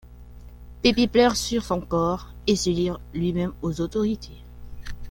Pepe pleure sur son corps et se livre lui-même aux autorités.